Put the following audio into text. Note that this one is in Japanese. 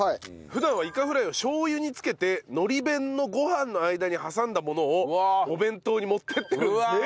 普段はイカフライをしょう油につけてのり弁のご飯の間に挟んだものをお弁当に持っていってるんですね。